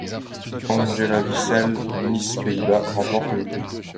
Angela Visser, Miss Pays-Bas, remporte le prix.